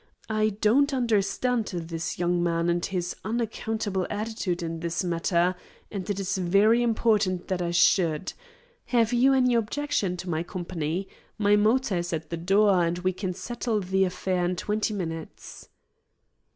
I don't understand this young man and his unaccountable attitude in this matter, and it is very important that I should. Have you any objection to my company? My motor is at the door, and we can settle the affair in twenty minutes."